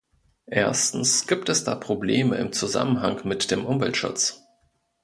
Erstens gibt es da Probleme im Zusammenhang mit dem Umweltschutz.